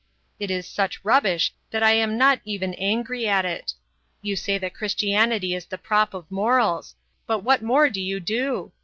It is such rubbish that I am not even angry at it. You say that Christianity is the prop of morals; but what more do you do?